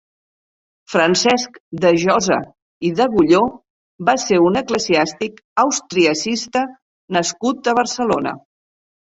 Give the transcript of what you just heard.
Francesc de Josa i d'Agulló va ser un eclesiàstic austriacista nascut a Barcelona.